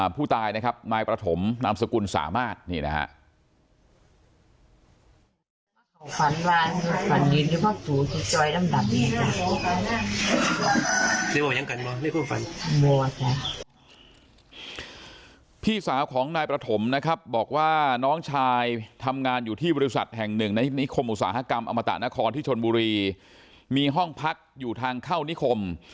พี่สาวของนายประถมนะครับบอกว่าน้องชายทำงานอยู่ที่บริษัทแห่งหนึ่งในนิคมอุตสาหกรรมอมตะนครที่ชนบุรีมีห้องพักอยู่ทางเข้านิคม